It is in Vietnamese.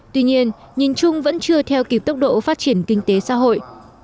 tuy nhiên nhìn chung vẫn chưa theo kịp tốc độ phát triển kinh tế xã hội